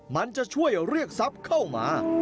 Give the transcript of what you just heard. มันจะช่วยเรียกทรัพย์เข้ามา